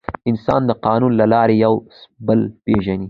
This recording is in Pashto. انسان د قانون له لارې یو بل پېژني.